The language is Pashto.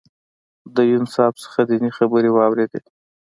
د یون صاحب څخه دینی خبرې واورېدې.